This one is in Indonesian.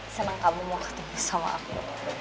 senang kamu mau kasih sama aku